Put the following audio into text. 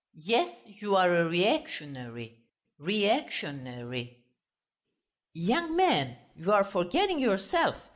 Yes, you are a reactionary ... re ac tion ary!" "Young man, you are forgetting yourself!